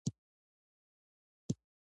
هو، تکنالوجی ډیره ګټوره ده